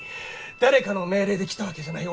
誰かの命令で来たわけじゃない。